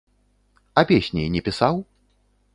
А песні не пісаў?